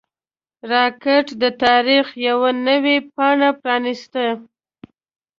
راکټ د تاریخ یوه نوې پاڼه پرانیسته